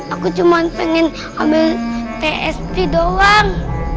aku cuma pengen ambil tst doang